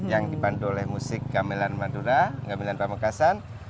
yang dipandu oleh musik gamelan madura gamelan pamekasan